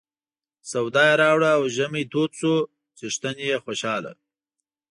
سودا یې راوړه او ژمی تود شو څښتن یې خوشاله.